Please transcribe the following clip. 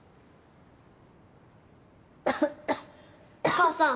母さん